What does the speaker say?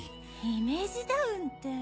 イメージダウンって。